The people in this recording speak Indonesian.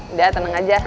udah teneng aja